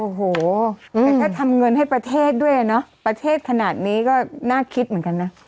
โอ้โหแต่ถ้าทำเงินให้ประเทศด้วยเนอะประเทศขนาดนี้ก็น่าคิดเหมือนกันนะ